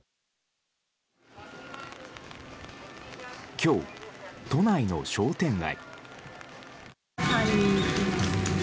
今日、都内の商店街。